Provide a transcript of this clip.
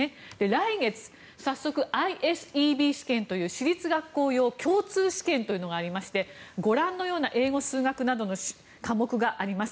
来月、早速ＩＳＥＢ試験という私立学校用共通試験というのがありまして、ご覧のような英語、数学などの科目があります。